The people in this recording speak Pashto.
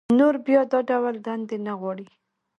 نور بيا دا ډول دندې نه غواړي